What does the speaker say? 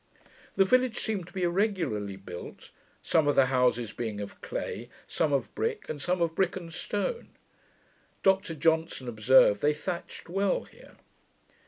The village seemed to be irregularly built, some of the houses being of clay, some of brick, and some of brick and stone. Dr Johnson observed, they thatched well here.